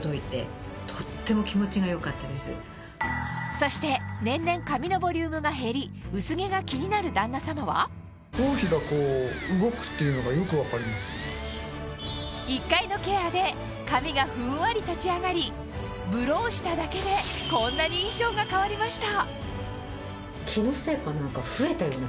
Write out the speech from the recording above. そして年々髪のボリュームが減り薄毛が気になる旦那さまは１回のケアで髪がふんわり立ち上がりブローしただけでこんなに印象が変わりました